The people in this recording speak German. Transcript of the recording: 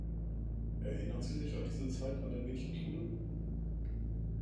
Erinnern Sie sich an diese Zeit an der Mädchenschule?